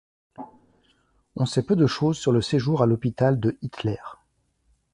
On sait peu de choses sur le séjour à l'hôpital de Hitler.